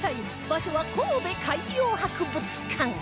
場所は神戸海洋博物館